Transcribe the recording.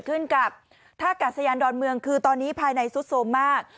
ขึ้นกับท่ากาศยานดอนเมืองคือตอนนี้ภายในซุดโทรมมาก